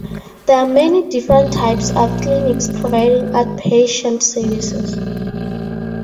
There are many different types of clinics providing outpatient services.